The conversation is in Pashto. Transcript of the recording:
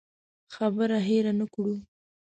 خبره هېره نه کړو.